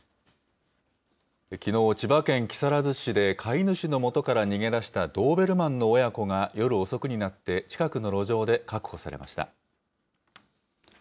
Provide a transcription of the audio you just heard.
きのう、千葉県木更津市で飼い主のもとから逃げ出したドーベルマンの親子が、夜遅くになって、近くの路上で確保されました。